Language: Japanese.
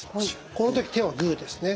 この時手はグーですね。